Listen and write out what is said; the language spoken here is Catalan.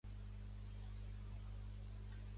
Quin tractat va qüestionar González Pons?